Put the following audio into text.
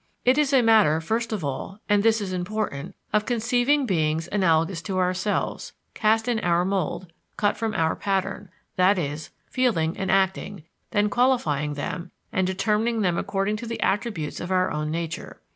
It is a matter first of all and this is important of conceiving beings analogous to ourselves, cast in our mould, cut after our pattern; that is, feeling and acting; then qualifying them and determining them according to the attributes of our own nature.